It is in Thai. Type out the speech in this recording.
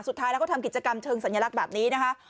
สุดท้ายแล้วก็ทำกิจกรรมเชิงสัญลักษณ์แบบนี้นะคะ